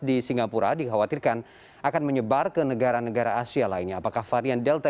di singapura dikhawatirkan akan menyebar ke negara negara asia lainnya apakah varian delta